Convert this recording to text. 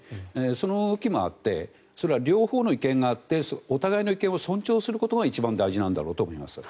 その動きもあって両方の意見があってお互いの意見を尊重することが一番大事なんだろうと思います。